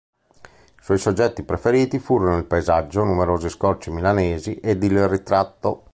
I suoi soggetti preferiti furono il paesaggio, numerosi scorci milanesi, ed il ritratto.